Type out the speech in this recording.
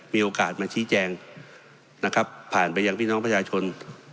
มีโอกาสมาชี้แจงนะครับผ่านไปยังพี่น้องประชาชน